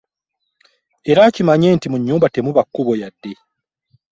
Era akimanye nti mu nnyumba temuba kkubo yadde.